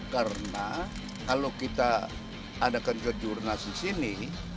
karena kalau kita adakan kejurnas di sini